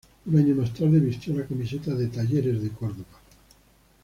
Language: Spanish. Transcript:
Un año más tarde vistió la camiseta de Talleres de Córdoba.